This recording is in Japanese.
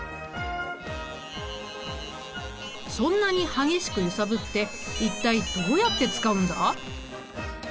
そんなに激しく揺さぶって一体どうやって使うんだ？